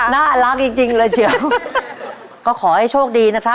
น่ารักจริงจริงเลยเฉียวก็ขอให้โชคดีนะครับ